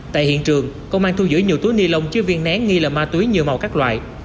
tại hiện trường công an thu giữ nhiều túi ni lông chứa viên nén nghi là ma túy nhiều màu các loại